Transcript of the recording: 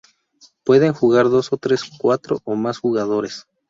Pueden jugar dos, tres, cuatro, o más jugadores.